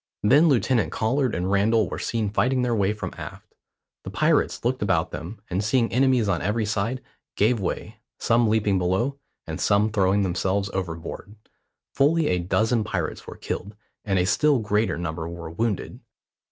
Then Lieutenant Collard and Randall were seen fighting their way from aft. The pirates looked about them, and seeing enemies on every side, gave way, some leaping below, and some throwing themselves overboard. Fully a dozen pirates were killed, and a still greater number were wounded.